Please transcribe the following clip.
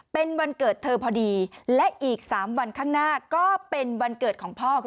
เป็นวันเกิดเธอพอดีและอีก๓วันข้างหน้าก็เป็นวันเกิดของพ่อ